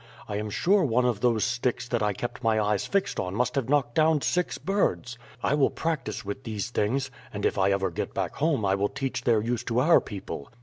I am sure one of those sticks that I kept my eyes fixed on must have knocked down six birds. I will practice with these things, and if I ever get back home I will teach their use to our people.